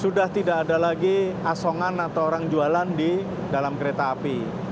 sudah tidak ada lagi asongan atau orang jualan di dalam kereta api